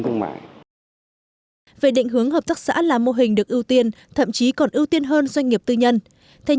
thế nhưng hợp tác xã là mô hình được ưu tiên hơn doanh nghiệp tư nhân